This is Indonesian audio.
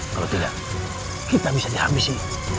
kalau tidak kita bisa dihabisi